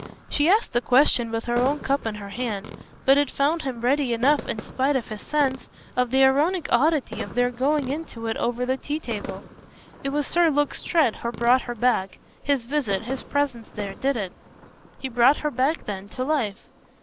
She asked the question with her own cup in her hand, but it found him ready enough in spite of his sense of the ironic oddity of their going into it over the tea table. "It was Sir Luke Strett who brought her back. His visit, his presence there did it." "He brought her back then to life."